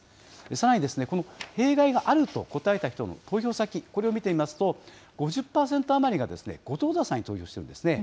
さらに、この、弊害があると答えた人の投票先、これを見てみますと、５０％余りが後藤田さんに投票しているんですね。